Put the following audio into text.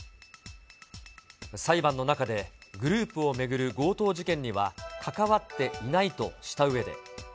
裁判の中で、グループを巡る強盗事件には関わっていないとしたうえで。